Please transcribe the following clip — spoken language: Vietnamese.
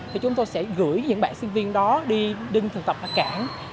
thì chúng tôi sẽ gửi những bạn sinh viên đó đi thực tập ở cảng